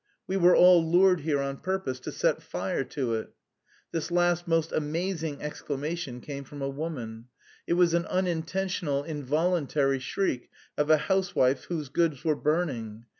"We were all lured here on purpose to set fire to it!" This last most amazing exclamation came from a woman; it was an unintentional involuntary shriek of a housewife whose goods were burning.